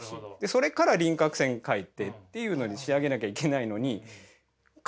それから輪郭線描いてっていうのに仕上げなきゃいけないのに「紙描きました？」